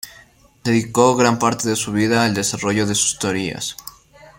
Dedicó gran parte de su vida al desarrollo de sus teorías.